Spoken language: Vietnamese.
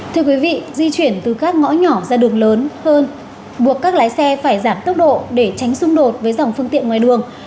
thưa quý vị di chuyển từ các ngõ nhỏ ra đường lớn hơn buộc các lái xe phải giảm tốc độ để tránh xung đột với dòng phương tiện ngoài đường